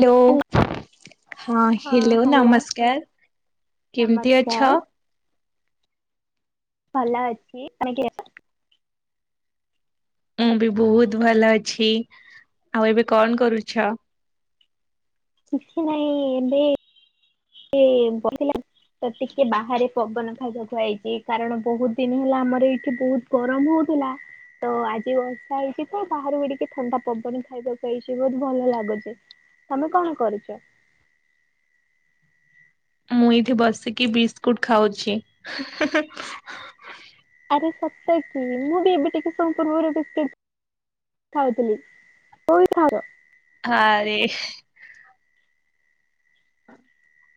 Hello ହଁ hello ନମସ୍କାର। କେମିତି ଅଛ? ନମସ୍କାର ଭଲ ଅଛି। ତମେ କେମି ଅଛ? ମୁଁ ବି ବହୁତ ଭଲ ଅଛି। ଆଉ ଏବେ କଣ କରୁଛ? କିଛି ନାଇଁ ଏବେ ବ ତ ଟିକେ ବାହାରେ ପବନ ଖାଇବାକୁୁଆଇଛି କାରଣ ବହୁତ ଦିନ ହେଲା ଆମର ଏଇଠି ବହୁତ ଗରମ ହଉ ଥୁଲା। ତ ଆଜି ବର୍ଷା ହେଇଛି ତ ବାହାରୁକୁ ଟିକେ ଥଣ୍ଡା ପବନ ଖାଇବାକୁ ଆଇଛି। ବହୁତ ଭଲ ଲାଗୁଚି। ତମେ କଣ କରୁଛ? ମୁଁ ଏଇଠି ବସିକି ବିସ୍କୁଟ ଖାଉଛି। ସତେକି କି ମୁଁ ବି ଏବେ ଟିକେ ସମୟ ପୂର୍ବରୁ ବିସ୍କେଟ୍ କଥା ହୋଉଥିଲି ହ କୋଉ ବିସ୍କୁଟ ଖାଉଛ? ହଁରେ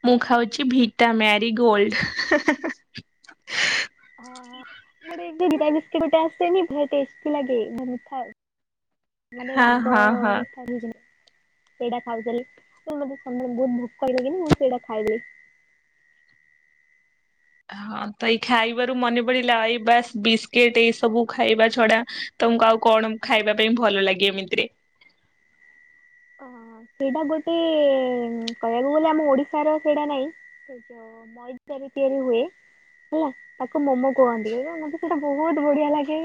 ମୁଁ ଖାଉଛି ଭିଟା ମ୍ୟାରି ଗୋଲଡ। ତିନିଟା ଆସେନି ଭଲ ଟେଷ୍ଟି ଲାଗେ ଭାରି ମିଠା ମାନେ ହଁ ରାଗ ହଁ ହଁ ମିଠା ହେଇକି ନା ସେଇଟା ଖାଉଥେଲି ମତେ ସମ ବହୁତ ଭୋକ ହେଲା ମୁଁ ସେଇଟା ଖାଇଦେଲି। [unintelligible] ହଁ ତ ଏଇ ଖାଇବାରୁ ମନେ ପଡିଲା ଏଇ ବାସ ବିସ୍କିଟ ଏଇ ସବୁ ଖାଇବା ଛଡା ତମକୁ ଆଉ କଣ ଖାଇବା ପାଇଁ ଭଲ ଲାଗେ ଏମିତିରେ? [unintelligible] ହଁ ସେଇଟା ଗୋଟେ କହିବାକୁ ଗଲେ ଆମ ଓଡିଶାର ସେଇଟା ନାଇଁ [unintelligible] ତିଆରି ହୁଏ। ହେଲା ତାକୁ ମୋମୋ କୁହନ୍ତି ମତେ ସେଟା ବହୁତ ବଢିଆ ଲାଗେ।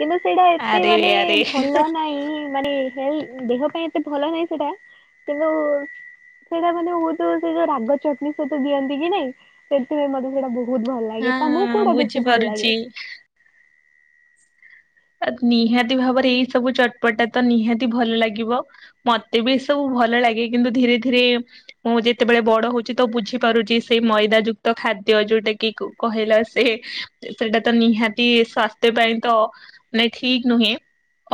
କିନ୍ତୁ ସେଇଟା ଏତେ ଆରେ ମାନେ ଆରେ ଭଲ ନାହିଁ ମାନେ ହେ ଦେହ ପାଇଁ ଏତେ ଭଲ ନାହିଁ ସେଟା କିନ୍ତୁ ସେଇଟା ମାନେ ବହୁତ ସେ ଯୋଉ ରାଗ ଚଟଣି ସହିତ ଦିଅନ୍ତି କି ନାଇଁ ସେଥିପାଇଁ ମତେ ସେଇଟା ବହୁତ ଭଲ ଲାଗେ। ତମକୁ ହଁ କୋଉଟା ବେଶୀ ଭଲ ଲାଗେ? ବୁଝିପାରୁଛି ନିହାତି ଭାବରେ ଏଇ ସବୁ ଚଟପଟା ତ ନିହାତି ଭଲ ଲାଗିବ ମତେ ବି ଏ ସବୁ ଭଲ ଲାଗେ କିନ୍ତୁ ଧୀରେ ଧୀରେ ମୁଁ ଯେତେବେଳେ ବଡ ହଉଛି ତ ବୁଝିପାରୁଛି ସେଇ ମଇଦା ଯୁକ୍ତ ଖା ଖାଦ୍ୟ ଯୋଉଟା କି କହିଲା ସେ ସେଟା ତ ନିହାତି ସ୍ୱାସ୍ଥ୍ୟ ପାଇଁ ତ ନାଇଁ ଠିକ ନୁହେଁ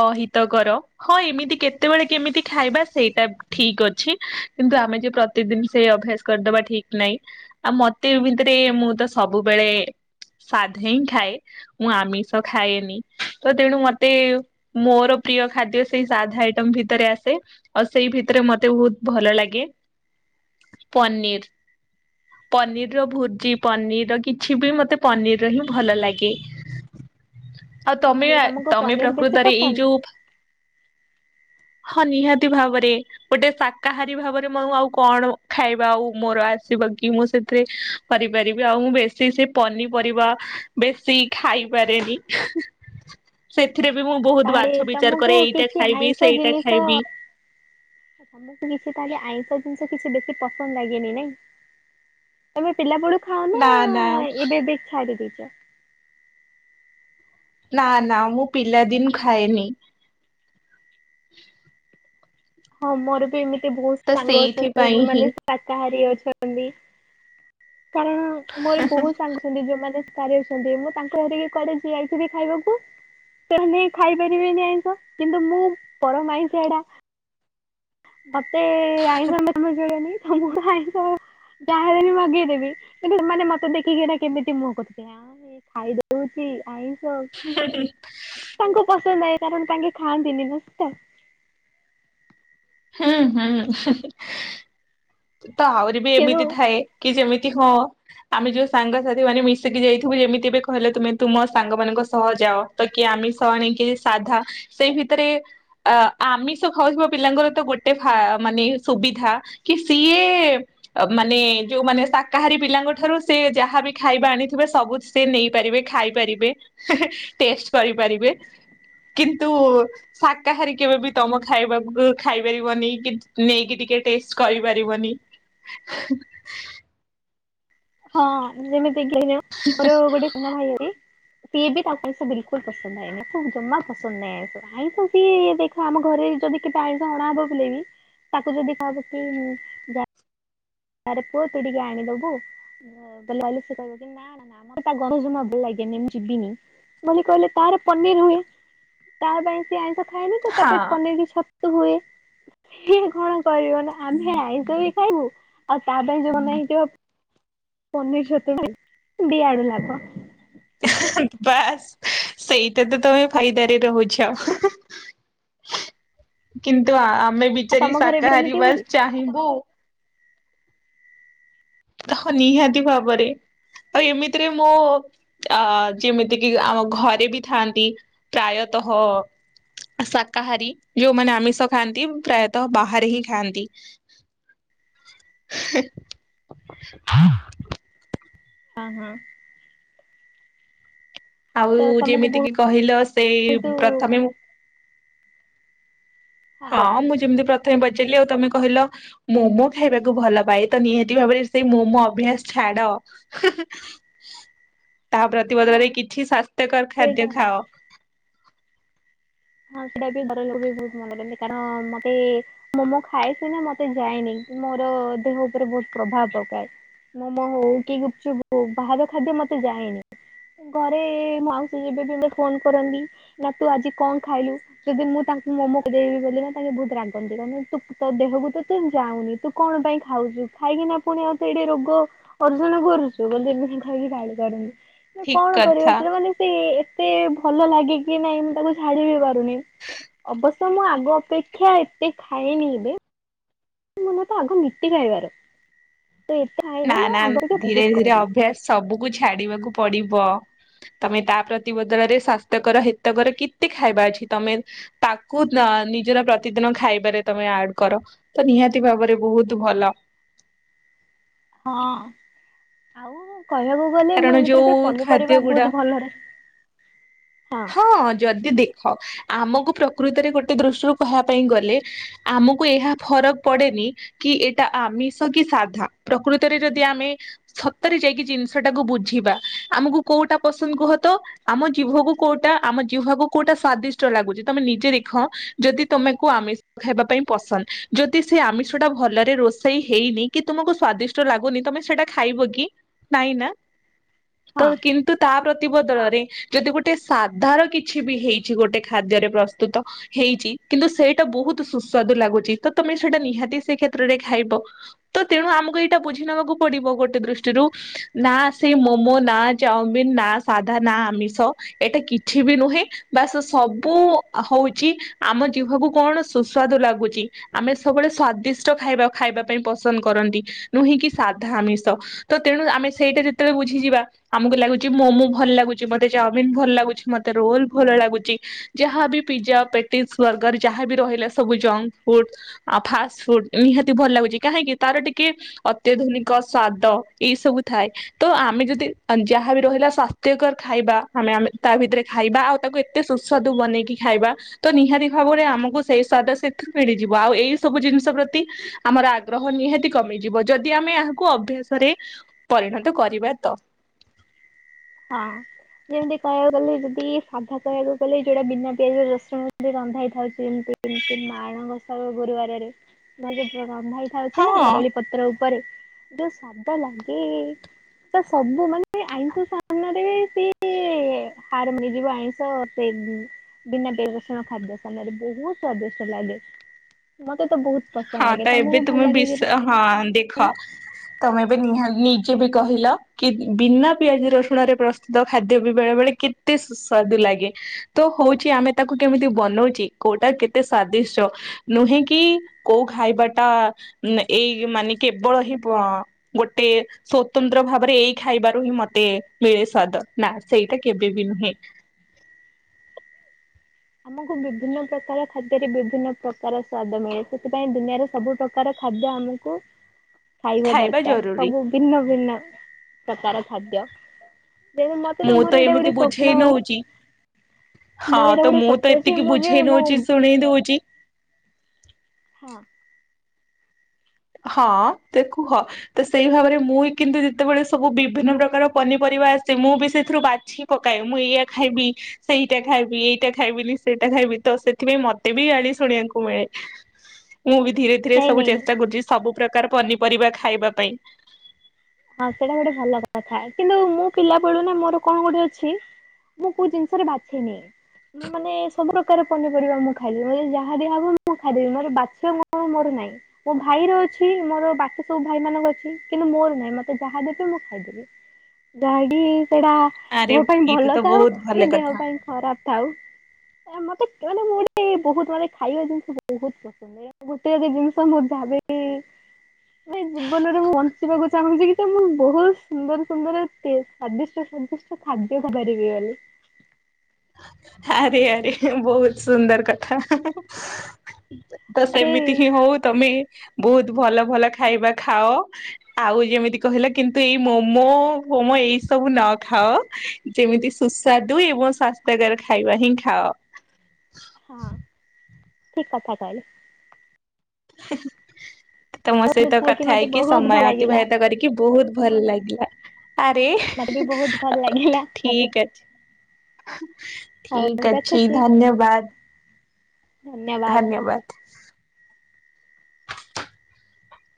ଅହିତକର ହଁ ଏମିତି କେତେବେଳେ କେମିତି ଖାଇବା ସେଇଟା ଠିକ ଅଛି କିନ୍ତୁ ଆମେ ଯେ ପ୍ରତିଦିନ ସେ ଅଭ୍ୟାସ କରିଦବା ଠିକ ନାହିଁ। ଆଉ ମତେ ଭିତରେ ମୁଁ ତ ସବୁବେଳେ ସାଧା ହିଁ ଖାଏ। ମୁଁ ଆମିଷ ଖାଏନି। ତ ତେଣୁ ମତେ ମୋର ପ୍ରିୟ ଖାଦ୍ୟ ସେଇ ସାଧା ଆଇଟମ ଭିତରେ ଆସେ ଆଉ ସେଇ ଭିତରେ ମତେ ବହୁତ ଭଲ ଲାଗେ। [unintelligible] ପନିର୍ ପନିରର ଭୂର୍ଜି ପନିରର କିଛି ବି ମତେ ପନିର ର ହିଁ ଭଲ ଲାଗେ। ଆଉ ତମେ ତାହେଲେ ତମକୁ ତମେ ପନିର ବେଶୀ ପ୍ରକୃତରେ ଏଇ ପସନ୍ଦ? ଯୋଉ ହଁ ନିହାତି ଭାବରେ, ଗୋଟେ ଶାକାହାରୀ ଭାବରେ ମ ମୁଁ କଣ ଖାଇବା ଆଉ ମୋର ଆସିବ କି! କି ମୁଁ ସେଥିରେ କରିପାରିବି, ଆଉ ମୁଁ ବେଶୀ ସେ ପନିପରିବା ବେଶୀ ଖାଇପାରେ ନି ହୁଁ -ହୁଁ-ହୁଁ ସେ- ଥିରେ ବି ମୁଁ ବହୁତ ତାହେଲେ ବାଛବିଚାର ତମକୁ କରେ ଏଇଟା ଖାଇବି ସେଇଟା ଖାଇବି। ସମସ୍ତେ ମିଶି କାଲି ଆଇଁଷ ଜିନିଷ କିଛି ବେଶୀ ପସନ୍ଦ ଲାଗେନି ନାଇଁ, ତମେ ପିଲାବେଳୁ ନା ନା ଖାାଉନାଆଆ ଏବେ ଏବେ ଛାଡ଼ି ଦେଇଛ? ନା ନା ମୁଁ ପିଲାଦିନୁ ଖାଏନି। ହଁ ମୋର ବି ଏମିତି ବହୁତ ତ ସାଙ୍ଗ ଅଛନ୍ତି ସେଇଥିପାଇଁ ହିଁ ଯୋଉମାନେ ଶାକାହାରୀ ଅଛ ଛନ୍ତି କାରଣ ମୋର ବହୁତ ସାଙ୍ଗ ଅଛନ୍ତି ଯୋଉମାନେ କାରଉଛନ୍ତି, ମୁଁ ତାଙ୍କୁ ଧରିକି କୁଆଡ଼େ ଯାଇଥିବି ଖାଇବାକୁ ତାହେଲେ ଖାଇପାରିବେନି ଆଇଁଷ କିନ୍ତୁ ମୁଁ ପରମ ଆଇଁଷିଆଟା। ମତେ ଆଇଁଷ [inaudible] ତମର ଆଇଁଷ ଯାହେଲେ ବି ମଗେଇଦେବି କିନ୍ତୁ ଏମାନେ ମତେ ଦେଖିକି ଏଟା କେମିତି ମୁହଁ କରୁଚି ୟାଉଁ ଏ ସେ ଖାଇଦଉଛି ଆଇଁଷ, ତାଙ୍କୁ ପସନ୍ଦ ନାଇଁ କାରଣ ତାଙ୍କେ ଖାଆନ୍ତିିନି ନା ସେଟା। ଉଁ ହୁଁ-ହୁଁହୁଁ ତ ଆହୁରି ବି କିନ୍ତୁ ଏମିତି ଥାଏ କି ଯେମିତ୍ କି ହଁ ଆମେ ଯୋଉ ସାଙ୍ଗସାଥିମାନେ ମିଶିକି ଯାଇଥିବୁ ଯେମିତି ଏବେ କହିଲ ତୁମେ, ତୁମ ସାଙ୍ଗମାନଙ୍କ ସହ ଯାଅ, ତ କିଏ ଆ ମିଷ ଆଣିକି ସାଧା ସେଇ ଭିତରେ ଆ ଆମିଷ ଖାଉଥିବା ପିଲାଙ୍କର ତ ଗୋଟେ ଫା ଦା ମାନେ ସୁବିଧା କି ସିଏଏଏ [inaudible] ମାନେ ଯୋଉମାନେ ଶାକାହାରୀ ପିଲାଙ୍କ ଠାରୁ ସେ ଯାହାବି ଖାଇବା ଆଣିଥିବେ ସବୁ ସେ ନେଇ [inaudible] ପାରିବେ ଖାଇପାରିବେ, ହେଁ-ହେଁ ଟେଷ୍ଟ୍ କରିପାରିବେ। କିନ୍ତୁ ଶାକାହାରୀ କେବେ ବି ତମ ଖାଇବାକୁ ଖାଇ ପାରିବନି କି ନେଇକି ଟିକ୍ ଟିକେ ଟେଷ୍ଟ କରିପାରିବନି। ହଁ ଯେମିତିକିନା ମୋର ଗୋଟେ ସାନ ଭାଇହରି ସିଏ ବି ତାପାଇଁ ସେ ବିଲକୁଲ୍ ପସନ୍ଦ [inaudible] ତାକୁ ଜମା ପସନ୍ଦ ନାଇଁ ଆଇଁଷ, ଆଇଁଷ ସିଏ ଦେଖ ଆମ ଘରେ ଯଦ୍ ଯଦି କେବେ ଆଇଁଷ ଅଣାହବ ହେଲେ ବି ତାକୁ ଯଦି କୁହାଯିବ କି ଯା ଆରେ ପୁଅ ତୁ ଟିକେ ଆଣିଦବୁ ବଲେ ହାଉଲେ ସେ କହିବକି ନା-ନା-ନା ମତେ ତା ଗନ୍ଧ ଜମା ଭଲ୍ ଲାଗେ [inaudible] ମୁଁ ଯିବିନି ବୋଲି କହିଲେ ତାର ପନିର ହୁଏ ତା ପାଇଁ ସେ ଆଇଁଷ ଖାଏନି ତ ତା ପାଇଁ ହଁ ପନିର କି ଛତୁ ହୁଏ ହେ ଘର କରିବନା ଆମେ ଆଇଁଷ ବି ଖାଇବୁ ଆଉ ତା ପାଇଁ ଯୋଉ ବନା ହେଇଥିବ ପନିର ଛତୁ ଖାଇବୁ, ଦି ଆଡୁ ଲାଭ। [inaudible] ବାସ୍ ସେଇଟା ତ ତମେ ଫାଇଦାରେ ରହୁଛ। [inaudible] କିନ୍ତୁ ଆମେ ଆଉ ବିଚାରୀ ତମ ଘରେ ବି ସେମିତି ଶାକାହାରୀ ବା ହଉଛି? ଚାହିଁବୁ ହଁ ନିହାତି ଭାବରେ ଆଉ ଏମିତିରେ ମୁଁ ଆ-ଆ-ଆ ଯେମିତିକି ଆମ ଘରେ ବି ଥାଆନ୍ତି ପ୍ରାୟତ୍ ହଁ। ଶାକାହାରୀ ଯୋଉମାନେ ଆମିଷ ଖାଆନ୍ତି ପ୍ରାୟତଃ ବାହାରେ ହିଁ ଖାଆନ୍ତି। [inaudible] ହ [inaudible] ହଁ ହଁ‌। ଆଉଉ ତମକୁ ଯେମିତି କିି କହିଲ ସେ ବହୁତୁ ପ୍ରଥମେ ହଁ ମୁଁ ଯେମିତି ପ୍ର ପ୍ରଥମେ ପଚାରିଲି ଆଉ ତମେ କହିଲ ମୋମୋ ଖାଇବାକୁ ଭଲ ପାଏ ତ ନିହାତି ଭାବରେ ସେଇ ମୋମୋ ଅଭ୍ୟାସ ଛା ଛାଡ଼ ହୁଁହୁଁ। [inaudible] ତାହା ହଁ ପ୍ରତିବଦଳରେ କିଛି ସ୍ଵାସ୍ଥ୍ୟକର ଖାଦ୍ୟ ସେଇଟା ଖାଅ। ହଁ ସେଇଟା ବି ଘର ଲୋକ ବି ବହୁତ ମନା କରନ୍ତି। କାରଣ ମତେ ମୋମୋ ଖାଏ ସିନା ମତେ ଯାଏନି। ମୋର ଦେହ ଉପରେ ବହୁତ ପ୍ରଭାବ ପକାଏ। ମୋମୋ ହଉ କି ଗୁପଚୁପ ହଉ ବାହାର ଖାଦ୍ୟ ମତେ ଯାଏନି। ଘରେ ମାଉସୀ ଦି ଦିନ ରେ ବି ଫୋନ କରନ୍ତି, ନା ତୁ ଆଜି କଣ? ଖାଇଲୁ ଯଦି ମୁଁ ତାଙ୍କୁ ମୋମୋକୁ ଦେଇବି ବୋଲି ନା ତାଙ୍କେ ବହୁତ ରାଗନ୍ତି। କଣ ପାଇଁ ତୁ ଦେହକୁ ତୁ ଯାଉନି ତୁ କଣ ପାଇଁ ଖାଉଛୁ ଖାଇକି ନା ପୁଣି ଆଉ ତ ଏଇଠି ରୋଗ ଅର୍ଜନ କରୁଛୁ। ବ ଏମିତି ଖାଇକି ଠିକ କଣ କରିବା କଥା ସେଟା ମାନେ ସେ ଏତେ ଭଲ ଲାଗେ କି ନାଇଁ ମୁ ତାକୁ ଛାଡି ବି ପାରୁନି ଅବଶ୍ୟ ମୁଁ ଆଗ ଅପେକ୍ଷା ଏତେ ଖାଇନି ଏବେ ମନ ତ ଆକୁ ନୀତି ଖାଇବାର ତ ଏତେ ଖାଇନି ନା ନା ଆଗ ଅପେକ୍ଷା ଧୀରେ ବହୁତ କମେଇ ଧୀରେ ଦେଇଛି। ଅଭ୍ୟାସ ସବୁକୁ ଛାଡିବାକୁ ପଡିବ। ତମେ ତା ପ୍ରତିବଦଳରେ ସ୍ଵାସ୍ଥ୍ୟକର ହେତକର କେତେ ଖାଇବା ଅଛି ତମେ ତାକୁ ନିଜର ପ୍ରତିଦିନ ଖାଇବାରେ ତମେ ଆଡ କର ତ ନିହାତି ଭାବରେ ବହୁତ ଭଲ। ହଁ ଆଉ କହିବାକୁ ଗଲେ କାରଣ ମୁଁ ଏମିତିରେ ଯୋଉ ବି ଖାଦ୍ୟ ପନିପରିବା ଗୁଡା ବହୁତ ଭଲରେ ହଁ ଯଦି ଦେଖ ଆମକୁ ପ୍ରକୃତରେ ଗୋଟେ ଦୃଷ୍ଟିରୁ କହ ପାଇଁ ଗଲେ ଆମକୁ ଏହା ଫରକ ପଡେନି କି କି ଏଇଟା ଆମିଷ କି ସାଧା? ପ୍ରକୃତରେ ଯଦି ଆମେ ସତରେ ଯାଇକି ଜିନିଷ ଟାକୁ ବୁଝିବା ଆମକୁ କୋଉଟା ପସନ୍ଦ କୁହ ତ? ଆମ ଜୀଭକୁ କୋଉଟା ଆମ ଜିଭ କୁ କୋଉଟା ସ୍ଵାଦିଷ୍ଟ ଲାଗୁଛି? ତମେ ନିଜେ ଦେଖ ଯଦି ତମକୁ ଆମିଷ ଖାଇବା ପାଇଁ ପସନ୍ଦ ଯଦି ସେ ଆମିଷ ଟା ଭଲରେ ରୋଷେଇ ହେଇନି କି ତୁମକୁ ସ୍ଵାଦିଷ୍ଟ ଲାଗୁନି ତମେ ସେଟା ଖା ଖାଇବ କି? ନାଇ ନା [inaudible] ତ କିନ୍ତୁ ତା ପ୍ରତିବଦଳରେ ଯଦି ଗୋଟେ ତେ ସାଧାର କିଛି ବି ହେଇଛି, ଗୋଟେ ଖାଦ୍ୟରେ ପ୍ରସ୍ତୁତ ହେଇଛି କିନ୍ତୁ ସେଇଟା ବହୁତ ସୁ ସୁାଦ ଲାଗୁଛି ତମେ ସେଇଟା ନିହାତି ସେ କ୍ଷେତ୍ରରେ ଖାଇବ। ତେଣୁ ଆମକୁ ଏଇଟା ବୁଝି ନବାକୁ ପଡିବ। ଗୋଟେ ଦୃଷ୍ଟିରୁ ନା ସେଇ ମୋମୋ ନା ଚାଉମିିନ ନା ସାଧା ନା ଆମିଷ ଏଇଟା କିଛି ବି ନୁହେଁ। ବାସ୍ ସବୁ ହଉଛି ଆମ ଜୀଭକୁ କଣ ସୁସ୍ୱାଦୁ ଲାଗୁଛି ଆମେ ସବୁବେଳେ ସ୍ଵାଦିଷ୍ଟ ଖାଇବା ଖାଇବା ପାଇଁ ପସନ୍ଦ କରନ୍ତି, ନୁହେଁ କି ସାଧା ଆମିଷ ସ-ତ-ତେଣୁ ଆମେ ସେଇଟା ଯେତେବେଳେ ବୁଝିଯିବା ଆମକୁ ଲାଗୁଛି ମୋମୋ ଭଲ ଲାଗୁଛି ମତେ ଚା ମିନ ଭଲ ଲାଗୁଛି ମୋତେ ରୋଲ ଭଲ ଲାଗୁଛି, ଯାହା ବି ପିଜା ପେଟିସ ବର୍ଗର୍ ଯାହା ବି ରହିଲା ସବୁ ଜଙ୍କ ଫୁଡ ଆ ଫାଷ୍ଟ ଫୁଡ ନିହାତି ଭଲ ଲାଗୁଛି କାହିଁକି ତାର ଟିକେ ଅତ୍ୟାଧୁନିକ ସ୍ଵାଦ ଏଇ ସବୁ ଥାଏ, ତ ଆମେ ଯଦି ଯାହାବି ରହିଲା ସ୍ଵାସ୍ଥ୍ୟକର ଖାଇବା ଆମେ ଆମେ ତା ଭିତରେ ଖାଇବା ଆଉ ତାକୁ ଏତେ ସୁସ୍ୱାଦୁ ବନେଇକି ଖାଇବା ତ ନିହାତି ଭାବରେ ଆମକୁ ସେଇ ଵାଦ ସେଥିୁ ମିଳିଯିବ, ଆଉ ଏଇ ସବୁ ଜିନିଷ ପ୍ରତି ଆମର ଆଗ୍ରହ ନିହାତି କମିଯିବ ଯଦି ଆମେ କୁ ଅଭ୍ୟାସରେ ପରିଣତ କରିବା ତ। ହଁ। ଯେମିତି କହିବାକୁ ଗଲେ ଯଦି ସାଧା କହିବାକୁ ଗଲେ, ଯୋଉଟା ବିନା ପିଆଜ ରସୁଣ ରେ ରନ୍ଧା ହେଇଥାଉଛି ଯେମତି ଏମିତି ମାଣ ଗସା ଗୁରୁବାରରେ ନ ଯଉ ରନ୍ଧା ହେଇଥାଉଛି ନା ହଁ କଦଳୀ ପତ୍ର ଉପ ପରେ ଯୋଉ ସାଧା ଲାଗେ ତ ସବୁ ମାନେ ଆଇଷ [unintelligible] ବିନା ପିଆଜ ରସୁଣ ଖାଦ୍ୟ ସାମ୍ନାରେ ବହୁତ ସ୍ଵାଦିଷ୍ଟ ଲାଗେ। ମତେ ତ ବହୁତ ପସନ୍ଦ ହଁ ଲାଗେ ତ ଏବେ ତମକୁ ଭଲ ତୁମେ ଲାଗେ କି ବିଷ ହଁ ନାହିଁ? ଦେଖ। ତମେ ବି ନିହା ନିଜେ ବି କହିଲ କି ବିନା ପିଆଜ ରସୁଣ ରେ ପ୍ରସ୍ତୁତ ଖାଦ୍ୟ ବି ବେଳେ ବେଳେ କେତେ ସୁସ୍ଵାଦୁ ଲାଗେ ତ ହଉଛି ଆମେ ତାକୁ କେମିତି ବନଉଚି କୋଉଟା କେତେ ସ୍ଵାଦି ସ - ନୁହେଁ କି? କୋଉ ଖାଇବାଟା ଏଇ ମାନେ କେବଳ ହିଁ ପ- ଗୋଟେ ସ୍ଵତନ୍ତ୍ର ଭାବରେ ଏଇ ଖାଇବାରୁ ହିଁ ମତେ ମିଳେ ସ୍ଵାଦ ନା ସେଇଟା କେବେ ବି ନୁହେଁ। [inaudible] ଆମକୁ ବିଭିନ୍ନ ପ୍ରକାର ଖାଦ୍ୟରେ ବିଭିନ୍ନ ପ୍ରକାର ସ୍ଵାଦ ମିଳେ। ସେଥିପାଇଁ ଦୁନିଆରେ ସବୁ ପ୍ରକାର ଖାଦ ଏବେ ଆମକୁ ଖାଇବା ଦରକାର। ସବୁ ଭିନ୍ନ ଭିନ୍ନ ପ୍ରକାର ଖାଦ୍ୟ। ତେଣୁ ମତେ ମୁଁ ମୋର ତ ଏଇଟା ଏମିତି ଗୋଟେ ସ୍ୱପ୍ନ ବୁଝେଇ ନଉଛି। ହଁ ମୋର ଏଇଟା -ତ- ଗୋଟେ ମୁଁ- ତ- ସ୍ୱପ୍ନ ଯେ ଟିକେ ମୁଁ ଯେ ବୁଝେଇ ମୁଁ ନଉଛି ଶୁଣେଇ ଦଉଛି ହଁ ହଁ ତେକୁହ ସେଇ ଭାବରେ ମୁଁ କିନ୍ତୁ ଯେତେବେଳେ ସବୁ ବିଭିନ୍ନ ପ୍ରକାର ପନିପରିବା [unintelligible] ମୁଁ ବି ସେଥିରୁ ବାଛି ପକାଏ ମୁଁ ଏଇଆ ଖାଇବି ସେଇଟା ଖାଇବି ଏଇଟା ଖାଇବିନି ସେଇଟା ଖାଇବି ତ ସେଥିପାଇଁ ମତେ ବି ଗାଳି ଶୁଣିବାକୁ ମିଳେ। [inaudible] ମୁଁ ବି ଧୀରେ ଧୀରେ ନାଇଁ ସବୁ ନାଇଁ ଚେଷ୍ଟା କରୁଛି ସବୁ ପ୍ରକାର ପନିପରିବା ଖାଇବା ପାଇଁ। ହଁ ସେଇଟା ଗୋଟେ ଭଲ କଥା। କିନ୍ତୁ ମୁଁ ପିଲା ବେଳୁ ନା ମୋର କଣ ଗୋଟେ ଅଛି ମୁଁ କୋଉ ଜିନିଷରେ ବାଛେନି। ମୁଁ ମାନେ ସବୁ ପ୍ରକାର ପନିପରିବା ମୁଁ ଖାଇଲିି। ଯାହା ଦିଆ ହବ ମୁଁ ଖାଇଦେବି। ମୋର ବାଛ ମୋ- ମୋର ନାଇ ମୋ ଭାଇ ର ଅଛି। ମୋର ବାକି ସବୁ ଭାଇ ମାନଙ୍କ ଅଛି। କିନ୍ତୁ ମୋର ନାହିଁ ମତେ ଯାହା ଦେବେ ମୁଁ ଖାଇଦେବି। ଡାଡି ସେଇଟା ଆରେ ଦେହ ପାଇଁ ଏଇଟା ଭଲ ତ ଥାଉ ବହୁତ କି ଭଲ ଦେହ କଥା ପାଇଁ ଖରାପ ଥାଉ ମତେ କେ ମାନେ ମୁଁ ଗୋଟେ ବହୁତ ମାନେ ଖାଇବା ଜିନିଷ ବହୁତ ପସନ୍ଦ ଏ ଗୋଟେ ଯଦି ଜିନିଷ ମୁଁ ଭାବେ ଏ ଏ ଜୀବନରେ ମୁଁ ବଞ୍ଚିବାକୁ ଚାହୁଁଚିକି ମୁଁ ବହୁତ ସୁନ୍ଦର ସୁନ୍ଦର ଟେ ସ୍ଵାଦିଷ୍ଟ ସ୍ଵାଦିଷ୍ଟ ଖାଦ୍ୟକୁ ପରିବି ବୋଲି ଆରେ ଆରେ ବହୁତ ସୁନ୍ଦର କଥା ତ ଆରେ ସେମିତି ହିଁ ହଉ ତମେ ବହୁତ ଭଲ ଭଲ ଖାଇବା ଖାଅ ଆଉ ଯେମିତି କହିଲ କିନ୍ତୁ ଏଇ ମୋମୋ ହୋମ ଏଇସବୁ ନ ଖାଅ ଯେମିତି ସୁସ୍ୱାଦୁ ଏବଂ ସ୍ଵା ଜାଗାରେ ଖାଇବା ହିଁ ଖାଅ ହଁ ଠିକ କଥା କହିଲ ହୁଁ ତମ ତମଠୁ ସହିତ ଖାଇକି କଥା ମତେ ହେଇକି ବହୁତ ଭଲ ସମୟ ଲାଗିଲା ଅତିବାହିତ କରିକି ବହୁତ ଭଲ ଲାଗିଲା ଆରେ ମତେ ବି ବହୁତ ଭଲ ଲାଗିଲା ଠିକ ଅଛି ହଉ ଠିକ ଅଛି ରଖୁଛି ଧନ୍ୟବାଦ ଧନ୍ୟବାଦ। ଧନ୍ୟବାଦ